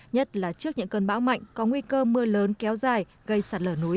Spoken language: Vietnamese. nhất là trước những cơn bão mạnh có nguy cơ mưa lớn kéo dài gây sạt lở núi